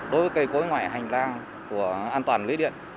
đối với cây cối ngoài hành lang của an toàn lưới điện